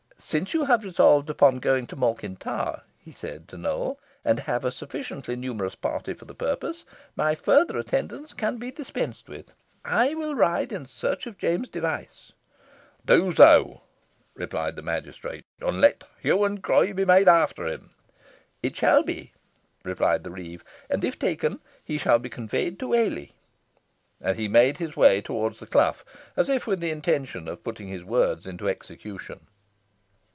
"Since you have resolved upon going to Malkin Tower," he said to Nowell, "and have a sufficiently numerous party for the purpose, my further attendance can be dispensed with. I will ride in search of James Device." "Do so," replied the magistrate, "and let hue and cry be made after him." "It shall be," replied the reeve, "and, if taken, he shall be conveyed to Whalley." And he made towards the clough, as if with the intention of putting his words into execution.